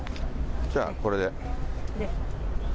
じゃあこれで。